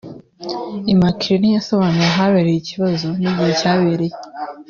Immaculée ntiyasobanuye ahabereye iki kibazo n’igihe cyabereye